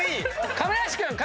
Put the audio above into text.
亀梨君！